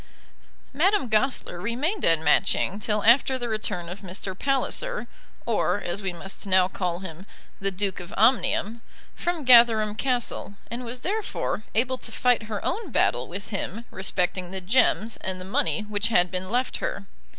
Madame Goesler remained at Matching till after the return of Mr. Palliser or, as we must now call him, the Duke of Omnium from Gatherum Castle, and was therefore able to fight her own battle with him respecting the gems and the money which had been left her.